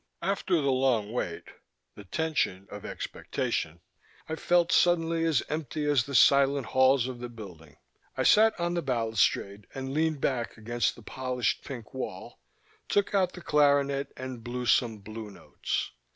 After the long wait, the tension of expectation, I felt suddenly as empty as the silent halls of the building. I sat on the balustrade and leaned back against the polished pink wall, took out the clarinet and blew some blue notes.